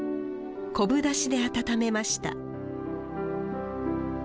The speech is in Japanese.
昆布だしで温めました